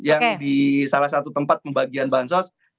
yang di salah satu tempat pembagian bansos